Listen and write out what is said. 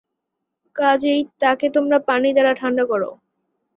কাজেই তাকে তোমরা পানি দ্বারা ঠাণ্ডা কর।